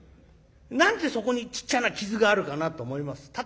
何でそこにちっちゃな傷があるかなと思います。